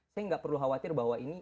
saya nggak perlu khawatir bahwa ini